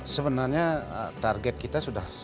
sebenarnya target kita sudah